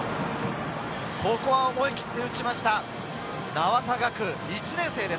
ここは思い切って打ちました、名和田我空・１年生です。